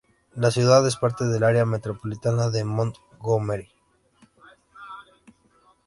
La ciudad es parte del área metropolitana de Montgomery.